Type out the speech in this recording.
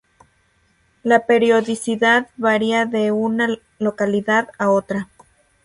La periodicidad varia de una localidad a otra.